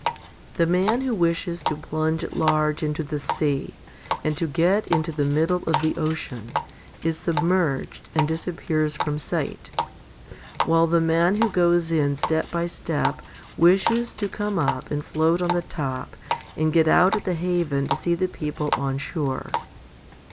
1 The man who wishes to plunge at large into the sea, and to get into the middle of the ocean, is submerged and disappears from sight, while the man who goes in step by step wishes to come up and float on the top and get out at the haven to see the people on shore.